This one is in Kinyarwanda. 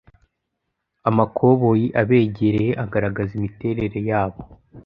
amakoboyi abegereye agaragaza imiterere yabo